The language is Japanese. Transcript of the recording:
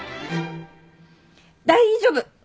大丈夫！